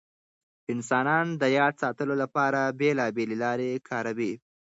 انسانان د یاد ساتلو لپاره بېلابېل لارې کاروي.